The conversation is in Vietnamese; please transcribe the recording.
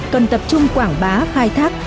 cần tập trung quảng bá khai thác